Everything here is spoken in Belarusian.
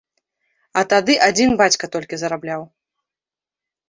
А тады адзін бацька толькі зарабляў.